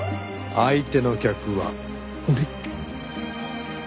相手の客は俺。